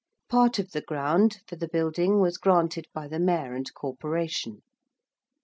Part of the ground for the building was granted by the Mayor and Corporation.